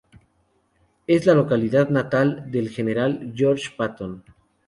Es la localidad natal del general George Patton.